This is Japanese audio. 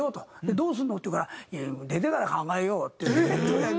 「どうするの？」って言うから「出てから考えよう！」って言ってとにかく出ていって。